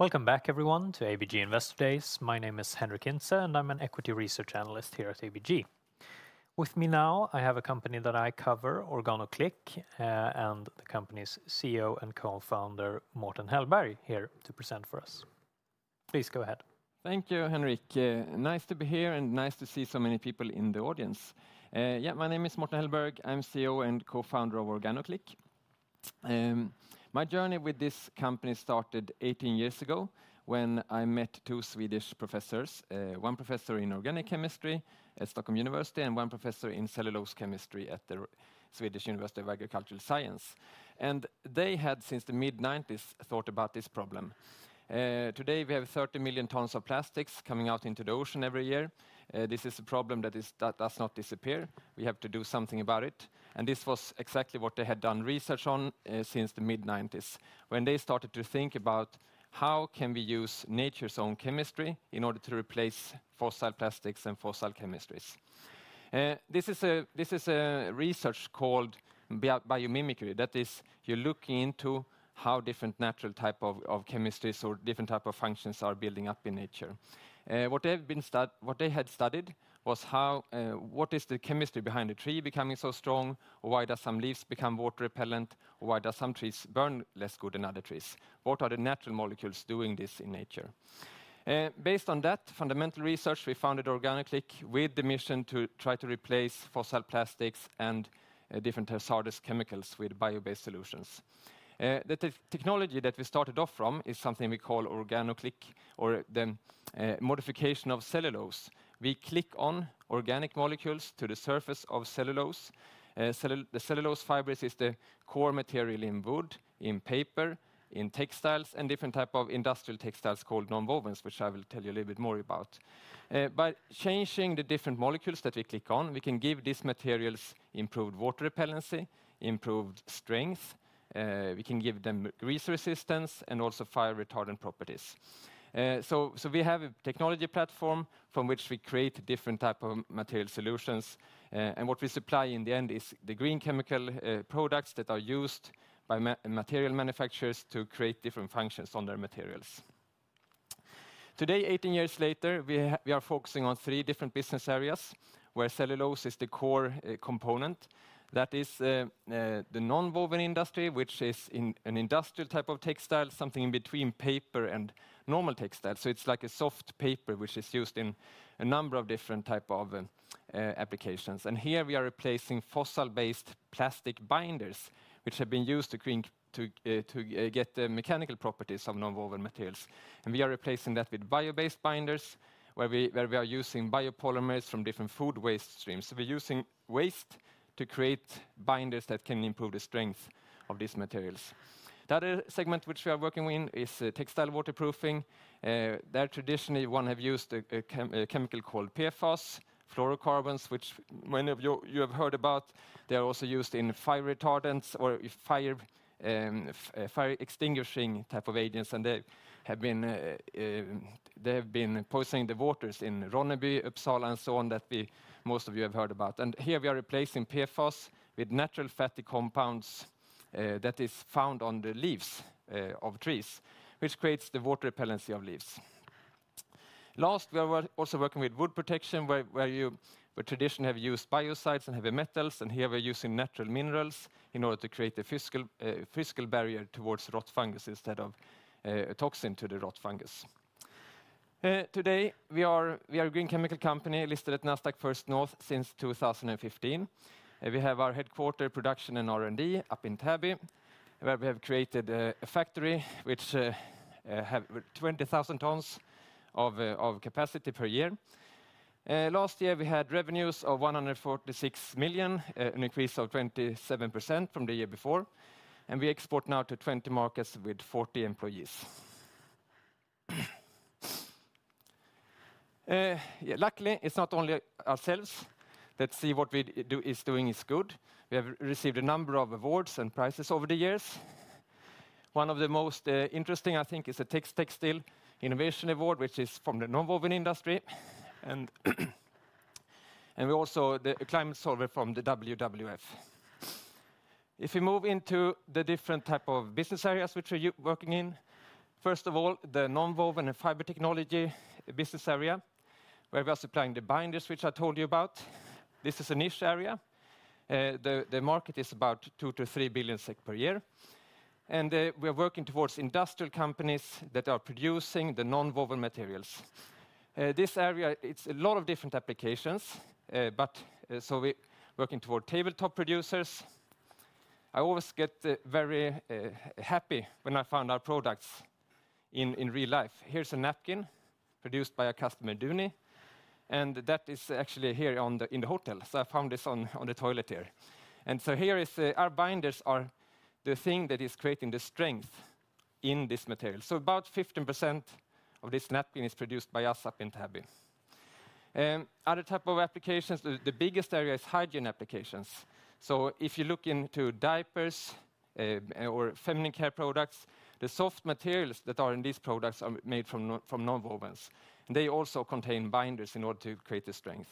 Welcome back, everyone, to ABG Investor Days. My name is Henric Hintze, and I'm an Equity Research Analyst here at ABG. With me now, I have a company that I cover, OrganoClick, and the company's CEO and co-founder, Mårten Hellberg, here to present for us. Please go ahead. Thank you, Henric. Nice to be here and nice to see so many people in the audience. Yeah, my name is Mårten Hellberg. I'm CEO and co-founder of OrganoClick. My journey with this company started 18 years ago when I met two Swedish professors, one professor in organic chemistry at Stockholm University and one professor in cellulose chemistry at the Swedish University of Agricultural Sciences, and they had, since the mid-90s, thought about this problem. Today, we have 30 million tons of plastics coming out into the ocean every year. This is a problem that does not disappear. We have to do something about it, and this was exactly what they had done research on since the mid-90s, when they started to think about how can we use nature's own chemistry in order to replace fossil plastics and fossil chemistries. This is a research called biomimicry. That is, you're looking into how different natural types of chemistries or different types of functions are building up in nature. What they had studied was what is the chemistry behind a tree becoming so strong, or why do some leaves become water-repellent, or why do some trees burn less good than other trees. What are the natural molecules doing this in nature? Based on that fundamental research, we founded OrganoClick with the mission to try to replace fossil plastics and different hazardous chemicals with bio-based solutions. The technology that we started off from is something we call OrganoClick, or the modification of cellulose. We click on organic molecules to the surface of cellulose. The cellulose fibers is the core material in wood, in paper, in textiles, and different types of industrial textiles called nonwovens, which I will tell you a little bit more about. By changing the different molecules that we click on, we can give these materials improved water repellency, improved strength, we can give them grease resistance, and also fire-retardant properties. So we have a technology platform from which we create different types of material solutions. And what we supply in the end is the green chemical products that are used by material manufacturers to create different functions on their materials. Today, 18 years later, we are focusing on three different business areas where cellulose is the core component. That is the nonwoven industry, which is an industrial type of textile, something in between paper and normal textiles. So it's like a soft paper, which is used in a number of different types of applications. And here we are replacing fossil-based plastic binders, which have been used to get the mechanical properties of nonwoven materials. And we are replacing that with bio-based binders, where we are using biopolymers from different food waste streams. So we're using waste to create binders that can improve the strength of these materials. The other segment which we are working with is textile waterproofing. There traditionally, one has used a chemical called PFAS, fluorocarbons, which many of you have heard about. They are also used in fire retardants or fire-extinguishing types of agents. And they have been poisoning the waters in Ronneby, Uppsala, and so on that most of you have heard about. And here we are replacing PFAS with natural fatty compounds that are found on the leaves of trees, which creates the water repellency of leaves. Last, we are also working with wood protection, where we traditionally have used biocides and heavy metals. And here we're using natural minerals in order to create a physical barrier towards rot fungus instead of a toxin to the rot fungus. Today, we are a green chemical company listed at Nasdaq First North since 2015. We have our headquarters production and R&D up in Täby, where we have created a factory which has 20,000 tons of capacity per year. Last year, we had revenues of 146 million, an increase of 27% from the year before. And we export now to 20 markets with 40 employees. Luckily, it's not only ourselves that see what we are doing is good. We have received a number of awards and prizes over the years. One of the most interesting, I think, is the Textile Innovation Award, which is from the nonwoven industry. And we also have the Climate Solver from the WWF. If we move into the different types of business areas which we are working in, first of all, the nonwovens and fiber technology business area, where we are supplying the binders, which I told you about. This is a niche area. The market is about 2-3 billion SEK per year, and we are working towards industrial companies that are producing the nonwovens materials. This area, it's a lot of different applications. So we are working toward tabletop producers. I always get very happy when I find our products in real life. Here's a napkin produced by our customer, Duni, and that is actually here in the hotel, so I found this on the toilet here, and so here are our binders, the thing that is creating the strength in this material, so about 15% of this napkin is produced by us up in Täby. Other types of applications, the biggest area is hygiene applications. So if you look into diapers or feminine care products, the soft materials that are in these products are made from nonwovens. And they also contain binders in order to create the strength.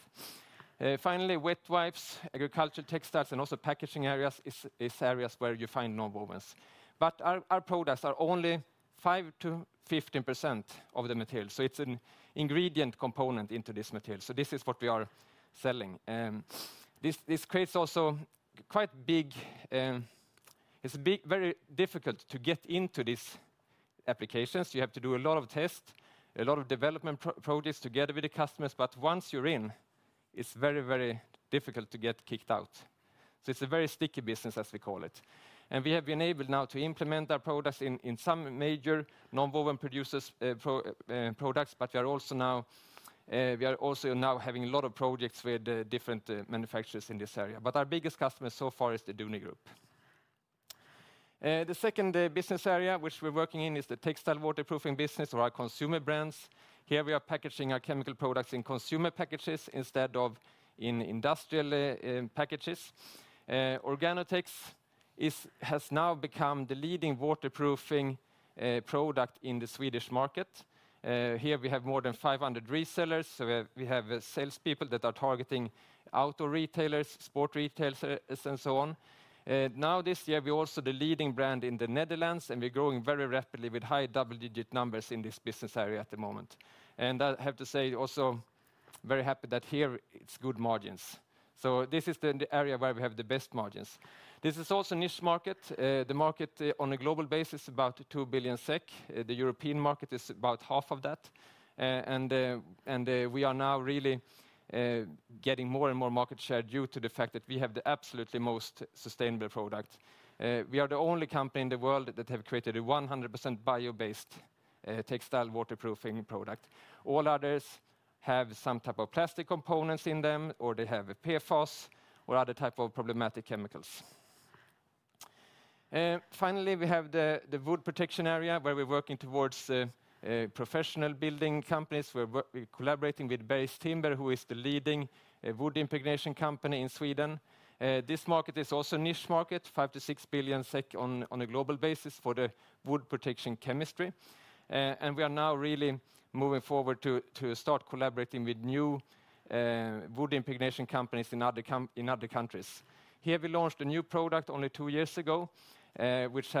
Finally, wet wipes, agricultural textiles, and also packaging areas are areas where you find nonwovens. But our products are only 5%-15% of the material. So it's an ingredient component into this material. So this is what we are selling. This creates also quite big. It's very difficult to get into these applications. You have to do a lot of tests, a lot of development projects together with the customers. But once you're in, it's very, very difficult to get kicked out. So it's a very sticky business, as we call it. And we have been able now to implement our products in some major nonwoven products. But we are also now having a lot of projects with different manufacturers in this area. But our biggest customer so far is the Duni Group. The second business area which we're working in is the textile waterproofing business or our consumer brands. Here we are packaging our chemical products in consumer packages instead of in industrial packages. OrganoTex has now become the leading waterproofing product in the Swedish market. Here we have more than 500 resellers. So we have salespeople that are targeting outdoor retailers, sport retailers, and so on. Now this year, we are also the leading brand in the Netherlands. And we're growing very rapidly with high double-digit numbers in this business area at the moment. And I have to say, also very happy that here it's good margins. This is the area where we have the best margins. This is also a niche market. The market on a global basis is about 2 billion SEK. The European market is about half of that. We are now really getting more and more market share due to the fact that we have the absolutely most sustainable product. We are the only company in the world that has created a 100% bio-based textile waterproofing product. All others have some type of plastic components in them, or they have PFAS or other types of problematic chemicals. Finally, we have the wood protection area where we're working towards professional building companies. We're collaborating with Bergs Timber, who is the leading wood impregnation company in Sweden. This market is also a niche market, 5-6 billion SEK SEK on a global basis for the wood protection chemistry. And we are now really moving forward to start collaborating with new wood impregnation companies in other countries. Here we launched a new product only two years ago, which we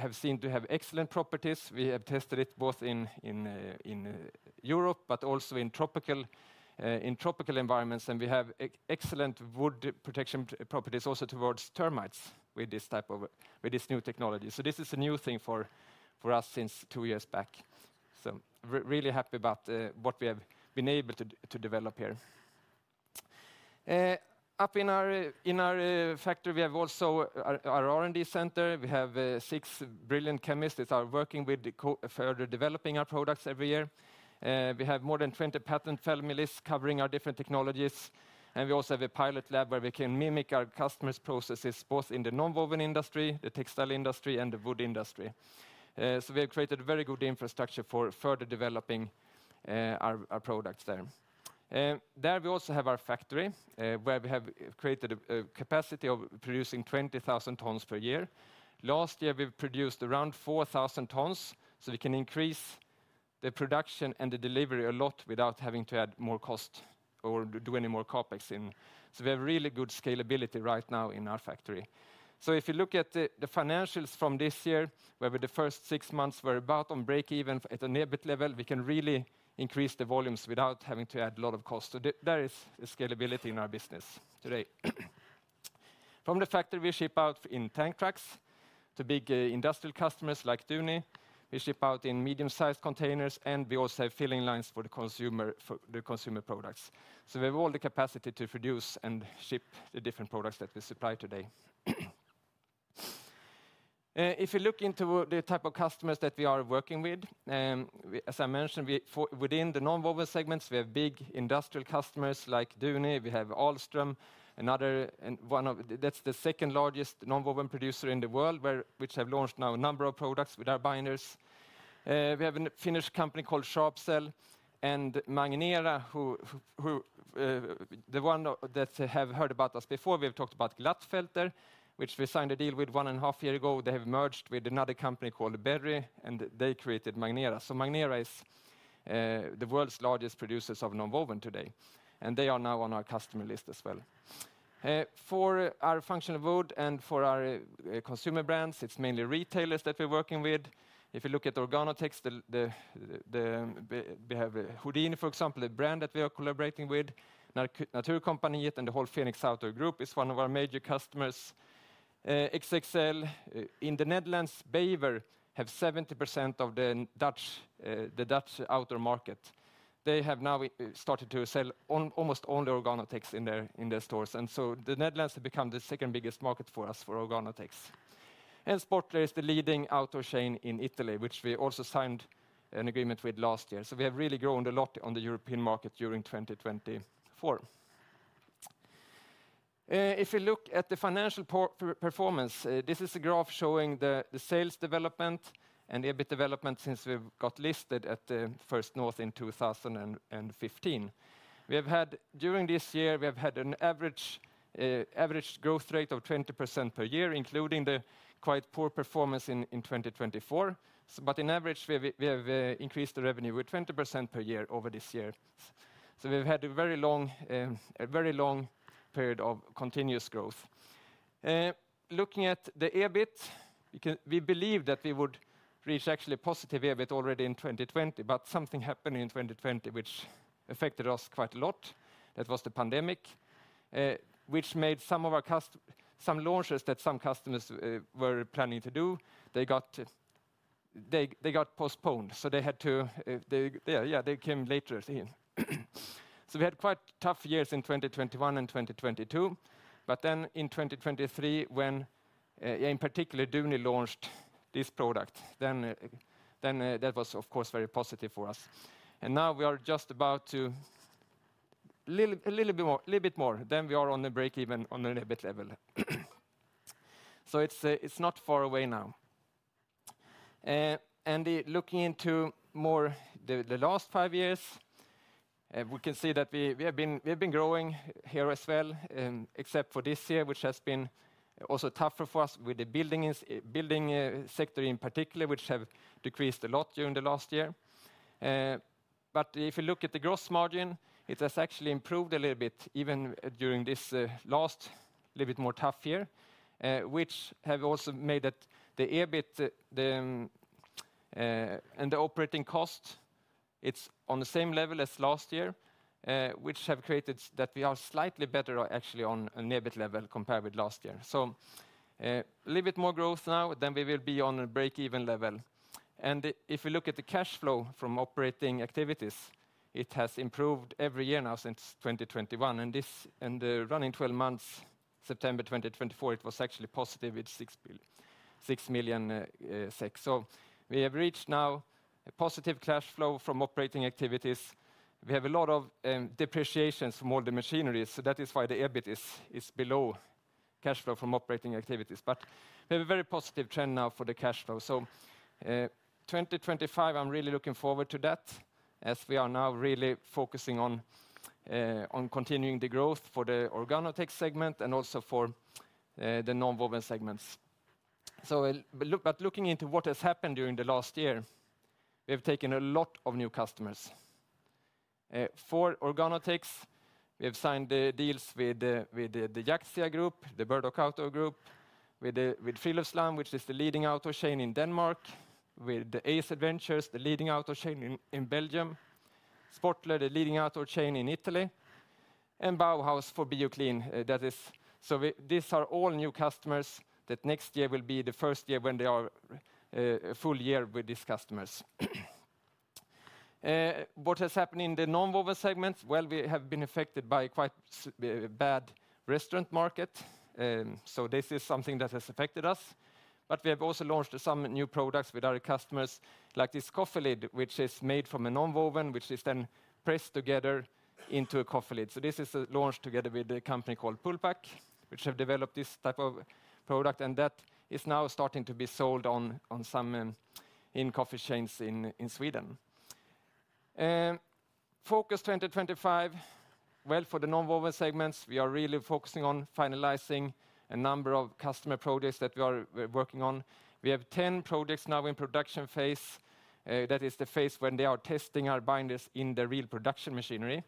have seen to have excellent properties. We have tested it both in Europe but also in tropical environments. And we have excellent wood protection properties also towards termites with this new technology. So this is a new thing for us since two years back. So really happy about what we have been able to develop here. Up in our factory, we have also our R&D center. We have six brilliant chemists that are working with further developing our products every year. We have more than 20 patent families covering our different technologies. And we also have a pilot lab where we can mimic our customers' processes both in the nonwoven industry, the textile industry, and the wood industry. We have created a very good infrastructure for further developing our products there. There we also have our factory where we have created a capacity of producing 20,000 tons per year. Last year, we produced around 4,000 tons. We can increase the production and the delivery a lot without having to add more cost or do any more CapEx. We have really good scalability right now in our factory. If you look at the financials from this year, where the first six months were about on break-even at a net level, we can really increase the volumes without having to add a lot of cost. There is scalability in our business today. From the factory, we ship out in tank trucks to big industrial customers like Duni. We ship out in medium-sized containers. And we also have filling lines for the consumer products. We have all the capacity to produce and ship the different products that we supply today. If you look into the type of customers that we are working with, as I mentioned, within the nonwovens segments, we have big industrial customers like Duni. We have Ahlstrom, another one that's the second-largest nonwovens producer in the world, which has launched now a number of products with our binders. We have a Finnish company called SharpCell and Magnera, who the one that have heard about us before. We have talked about Glatfelter, which we signed a deal with one and a half years ago. They have merged with another company called Berry, and they created Magnera. So Magnera is the world's largest producer of nonwovens today, and they are now on our customer list as well. For our functional wood and for our consumer brands, it's mainly retailers that we're working with. If you look at OrganoTex, we have Houdini, for example, a brand that we are collaborating with. Naturkompaniet and the whole Fenix Outdoor Group is one of our major customers. XXL in the Netherlands, Bever, have 70% of the Dutch outdoor market. They have now started to sell almost only OrganoTex in their stores, and so the Netherlands has become the second biggest market for us for OrganoTex, and SPORTLER is the leading outdoor chain in Italy, which we also signed an agreement with last year, so we have really grown a lot on the European market during 2024. If you look at the financial performance, this is a graph showing the sales development and EBIT development since we got listed at First North in 2015. During this year, we have had an average growth rate of 20% per year, including the quite poor performance in 2024. In average, we have increased the revenue with 20% per year over this year. We've had a very long period of continuous growth. Looking at the EBIT, we believe that we would reach actually a positive EBIT already in 2020. Something happened in 2020, which affected us quite a lot. That was the pandemic, which made some of our launches that some customers were planning to do. They got postponed. They had to, yeah, they came later. We had quite tough years in 2021 and 2022. In 2023, when in particular Duni launched this product, that was, of course, very positive for us. Now we are just about to a little bit more, then we are on the break-even on an EBIT level. It's not far away now. Looking into more the last five years, we can see that we have been growing here as well, except for this year, which has been also tougher for us with the building sector in particular, which have decreased a lot during the last year. But if you look at the gross margin, it has actually improved a little bit even during this last little bit more tough year, which have also made that the EBIT and the operating cost, it's on the same level as last year, which have created that we are slightly better actually on an EBIT level compared with last year. A little bit more growth now, then we will be on a break-even level. If you look at the cash flow from operating activities, it has improved every year now since 2021. Running 12 months, September 2024, it was actually positive with 6 million. We have reached now a positive cash flow from operating activities. We have a lot of depreciations from all the machineries. That is why the EBIT is below cash flow from operating activities. We have a very positive trend now for the cash flow. 2025, I'm really looking forward to that as we are now really focusing on continuing the growth for the OrganoTex segment and also for the nonwoven segments. Looking into what has happened during the last year, we have taken a lot of new customers. For OrganoTex, we have signed deals with the XXL Group, the Bever Outdoor Group, with Friluftsland, which is the leading outdoor chain in Denmark, with A.S. Adventure, the leading outdoor chain in Belgium, SPORTLER, the leading outdoor chain in Italy, and Bauhaus for BIOkleen. So these are all new customers that next year will be the first year when they are full year with these customers. What has happened in the nonwoven segment? Well, we have been affected by quite a bad restaurant market. So this is something that has affected us. But we have also launched some new products with our customers, like this coffee lid, which is made from a nonwoven, which is then pressed together into a coffee lid. So this is launched together with a company called PulPac, which have developed this type of product. And that is now starting to be sold in some coffee chains in Sweden. Focus 2025, well, for the nonwovens segments, we are really focusing on finalizing a number of customer projects that we are working on. We have 10 projects now in production phase. That is the phase when they are testing our binders in the real production machinery.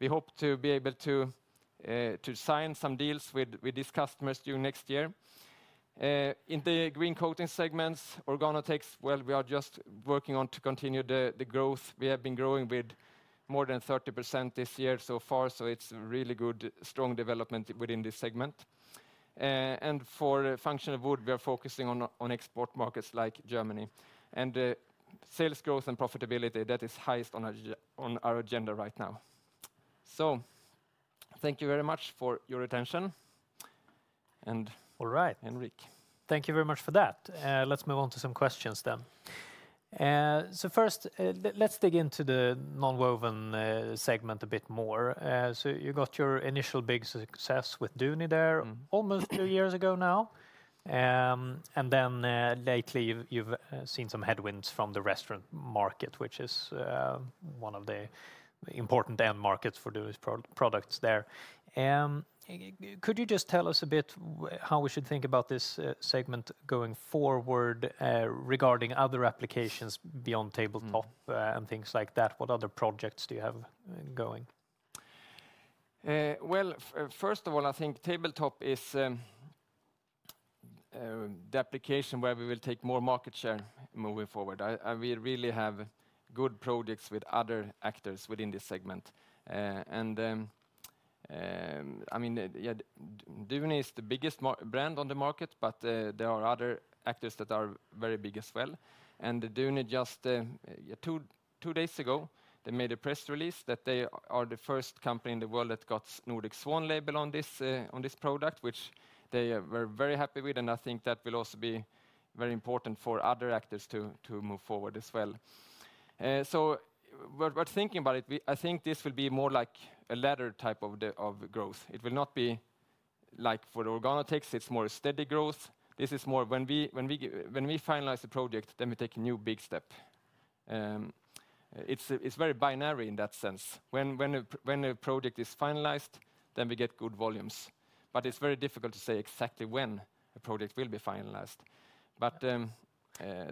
We hope to be able to sign some deals with these customers during next year. In the green coating segments, OrganoTex, well, we are just working on to continue the growth. We have been growing with more than 30% this year so far. So it's really good, strong development within this segment. And for functional wood, we are focusing on export markets like Germany. And sales growth and profitability, that is highest on our agenda right now. So thank you very much for your attention. All right, Henrik. Thank you very much for that. Let's move on to some questions then. So first, let's dig into the nonwovens segment a bit more. So you got your initial big success with Duni there almost two years ago now. And then lately, you've seen some headwinds from the restaurant market, which is one of the important end markets for Duni's products there. Could you just tell us a bit how we should think about this segment going forward regarding other applications beyond tabletop and things like that? What other projects do you have going? Well, first of all, I think tabletop is the application where we will take more market share moving forward. We really have good projects with other actors within this segment. And I mean, Duni is the biggest brand on the market, but there are other actors that are very big as well. And Duni just two days ago, they made a press release that they are the first company in the world that got Nordic Swan label on this product, which they were very happy with. And I think that will also be very important for other actors to move forward as well. So we're thinking about it. I think this will be more like a ladder type of growth. It will not be like for OrganoTex. It's more steady growth. This is more when we finalize the project, then we take a new big step. It's very binary in that sense. When a project is finalized, then we get good volumes. But it's very difficult to say exactly when a project will be finalized. But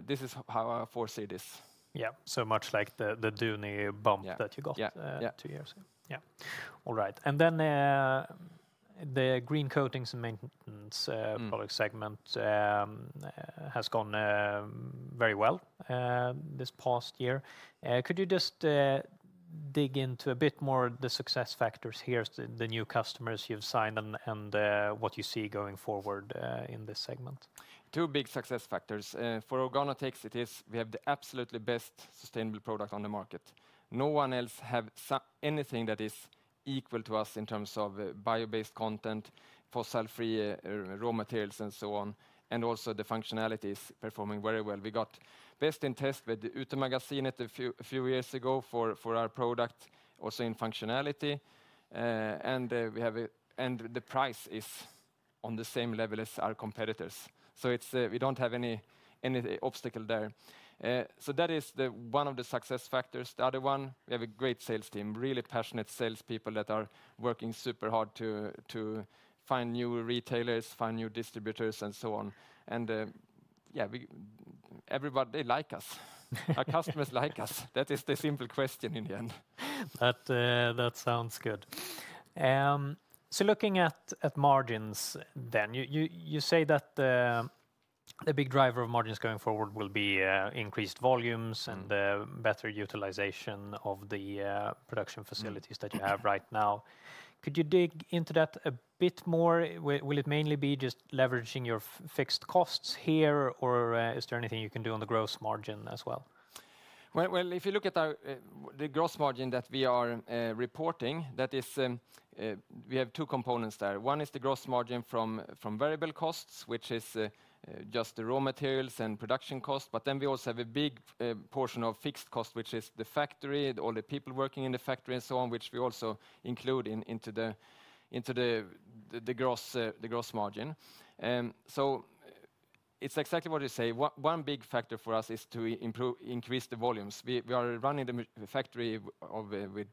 this is how I foresee this. Yeah, so much like the Duni bump that you got two years ago. Yeah. All right. And then the green coatings and maintenance product segment has gone very well this past year. Could you just dig into a bit more the success factors here, the new customers you've signed and what you see going forward in this segment? Two big success factors. For OrganoTex, it is we have the absolutely best sustainable product on the market. No one else has anything that is equal to us in terms of bio-based content, fossil-free raw materials, and so on. And also the functionality is performing very well. We got Best in Test with Utemagasinet a few years ago for our product, also in functionality. And the price is on the same level as our competitors. So we don't have any obstacle there. So that is one of the success factors. The other one, we have a great sales team, really passionate salespeople that are working super hard to find new retailers, find new distributors, and so on. And yeah, everybody, they like us. Our customers like us. That is the simple question in the end. That sounds good. So looking at margins then, you say that the big driver of margins going forward will be increased volumes and better utilization of the production facilities that you have right now. Could you dig into that a bit more? Will it mainly be just leveraging your fixed costs here, or is there anything you can do on the gross margin as well? Well, if you look at the gross margin that we are reporting, we have two components there. One is the gross margin from variable costs, which is just the raw materials and production costs. But then we also have a big portion of fixed costs, which is the factory, all the people working in the factory, and so on, which we also include into the gross margin. So it's exactly what you say. One big factor for us is to increase the volumes. We are running the factory with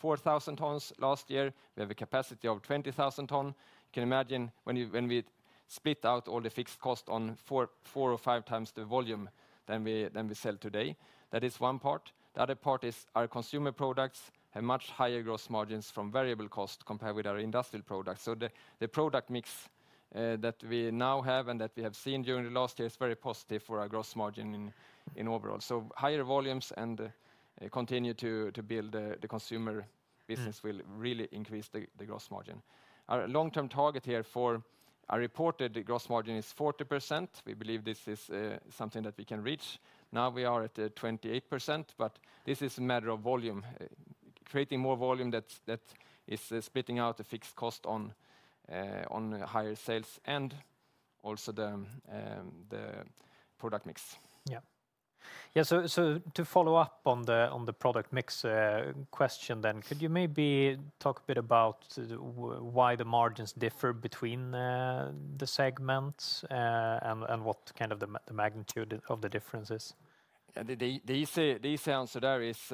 4,000 tons last year. We have a capacity of 20,000 tons. Can you imagine when we split out all the fixed costs on four or five times the volume than we sell today? That is one part. The other part is our consumer products have much higher gross margins from variable costs compared with our industrial products. So the product mix that we now have and that we have seen during the last year is very positive for our gross margin in overall. Higher volumes and continue to build the consumer business will really increase the gross margin. Our long-term target here for our reported gross margin is 40%. We believe this is something that we can reach. Now we are at 28%, but this is a matter of volume. Creating more volume that is splitting out the fixed cost on higher sales and also the product mix. Yeah. Yeah. To follow up on the product mix question then, could you maybe talk a bit about why the margins differ between the segments and what kind of the magnitude of the difference is? The easy answer there is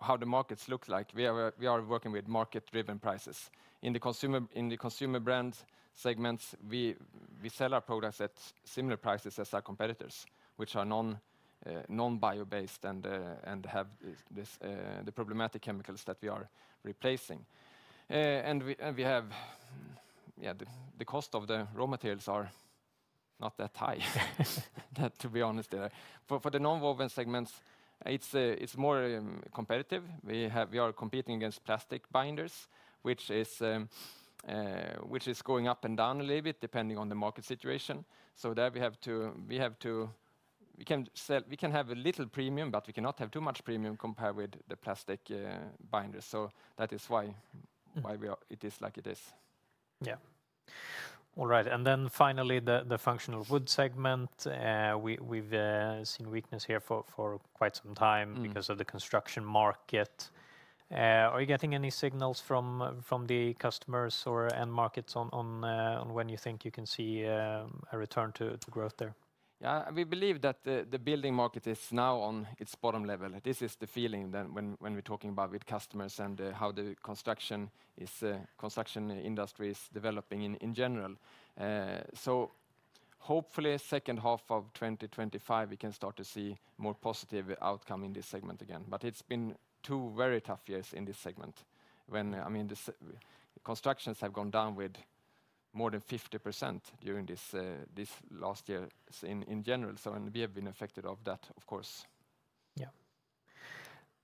how the markets look like. We are working with market-driven prices. In the consumer brand segments, we sell our products at similar prices as our competitors, which are non-bio-based and have the problematic chemicals that we are replacing. We have the cost of the raw materials are not that high, to be honest. For the nonwoven segments, it's more competitive. We are competing against plastic binders, which is going up and down a little bit depending on the market situation. So there we have to, we can have a little premium, but we cannot have too much premium compared with the plastic binders. So that is why it is like it is. Yeah. All right. Finally, the functional wood segment, we've seen weakness here for quite some time because of the construction market. Are you getting any signals from the customers or end markets on when you think you can see a return to growth there? Yeah. We believe that the building market is now on its bottom level. This is the feeling when we're talking about with customers and how the construction industry is developing in general. So hopefully, second half of 2025, we can start to see more positive outcome in this segment again. But it's been two very tough years in this segment. I mean, constructions have gone down with more than 50% during this last year in general. So we have been affected of that, of course. Yeah.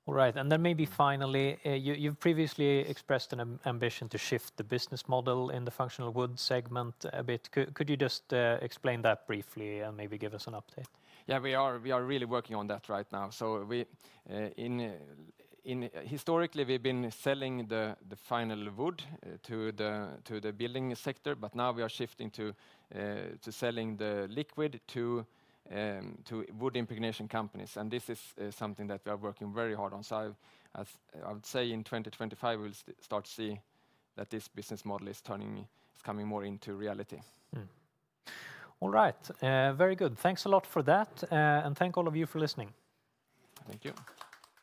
All right. And then maybe finally, you've previously expressed an ambition to shift the business model in the functional wood segment a bit. Could you just explain that briefly and maybe give us an update? Yeah, we are really working on that right now. So historically, we've been selling the final wood to the building sector, but now we are shifting to selling the liquid to wood impregnation companies. This is something that we are working very hard on. So I would say in 2025, we will start to see that this business model is coming more into reality. All right. Very good. Thanks a lot for that. Thank all of you for listening. Thank you.